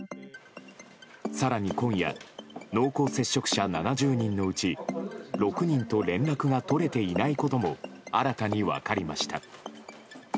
更に今夜濃厚接触者７０人のうち６人と連絡が取れていないことも新たに分かりました。